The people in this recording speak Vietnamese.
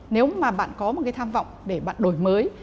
nếu mà bạn có một cái tham vọng để bạn đổi mới